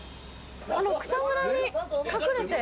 ・草むらに隠れて。